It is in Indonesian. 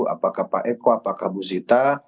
apakah pak eko apakah bu zita